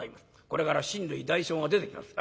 これから親類代表が出てきます。